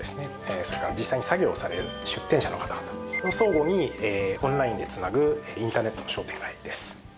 それから実際に作業をされる出店者の方々を相互にオンラインでつなぐインターネットの商店街です。